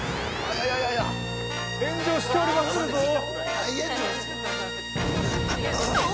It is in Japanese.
◆いやいやいや炎上しておりまするぞー。